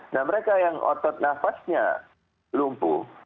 nah mereka yang otot nafasnya lumpuh